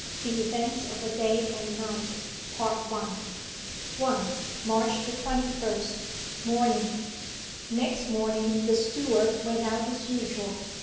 THE EVENTS OF A DAY AND NIGHT 1. MARCH THE TWENTY FIRST. MORNING Next morning the steward went out as usual.